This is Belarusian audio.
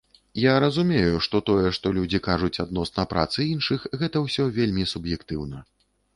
Я разумею, што тое, што людзі кажуць адносна працы іншых, гэта ўсё вельмі суб'ектыўна.